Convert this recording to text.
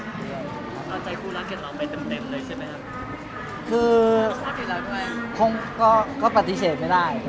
ใจคู่รักกันเราไม่เต็มเลยใช่ไหมครับ